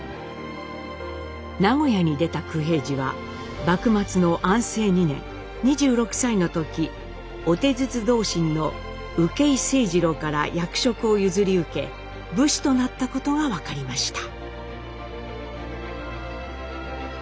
名古屋に出た九平治は幕末の安政２年２６歳の時御手筒同心の受井清次郎から役職を譲り受け武士となったことが分かりました。